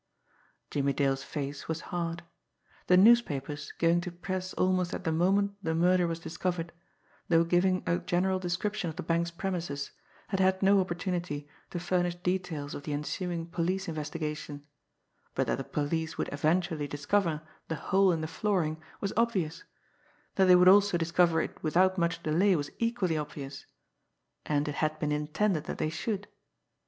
Jimmie Dale's face was hard. The newspapers, going to press almost at the moment the murder was discovered, though giving a general description of the bank's premises, had had no opportunity to furnish details of the ensuing police investigation; but that the police would eventually discover the hole in the flooring was obvious; that they would also discover it without much delay was equally obvious and it had been intended that they should.